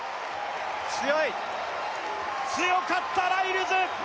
強い強かったライルズ